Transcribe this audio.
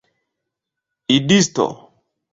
idisto